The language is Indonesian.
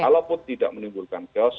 kalaupun tidak menimbulkan chaos